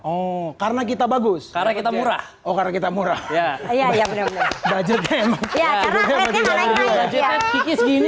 oh karena kita bagus karena kita murah oh karena kita murah ya iya iya bener bener budgetnya emang